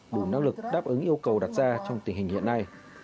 đủ năng lực đáp ứng yêu cầu đặt ra trong tình hình hiện nay